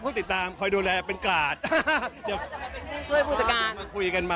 คือแล้วน้องอายเพราะว่าเราสนิทกัน